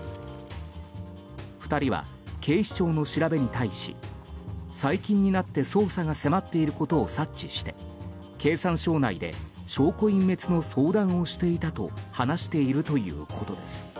２人は、警視庁の調べに対し最近になって捜査が迫っていることを察知して経産省内で証拠隠滅の相談をしていたと話しているということです。